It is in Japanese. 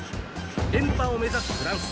連覇を目指すフランス。